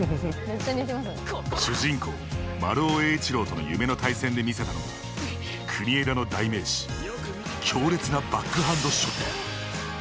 主人公・丸尾栄一郎との夢の対戦で見せたのが国枝の代名詞強烈なバックハンドショット。